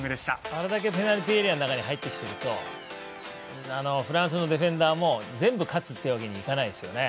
あれだけペナルティーエリアに入ってきているとフランスのディフェンダーも全部勝つっていうわけにはいかないですよね。